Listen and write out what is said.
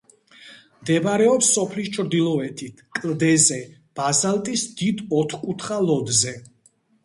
მდებარეობს სოფლის ჩრდილოეთით, კლდეზე, ბაზალტის დიდ ოთხკუთხა ლოდზე.